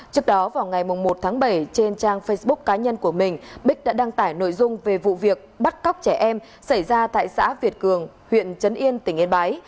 trước đó vào ngày một tháng bảy trên trang facebook cá nhân của mình bích đã đăng tải nội dung về vụ việc bắt cóc trẻ em xảy ra tại xã việt cường huyện trấn yên tỉnh yên bái